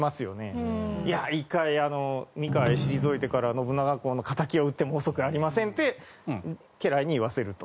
「いや一回三河へ退いてから信長公の敵を討っても遅くありません」って家来に言わせると。